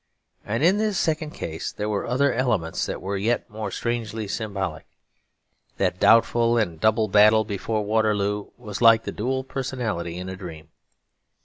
And in this second case there were other elements that were yet more strangely symbolic. That doubtful and double battle before Waterloo was like the dual personality in a dream.